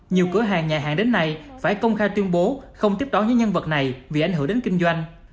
nhiều cửa hàng nhà hàng đến nay phải công khai tuyên bố không tiếp đón những nhân vật này vì ảnh hưởng đến kinh doanh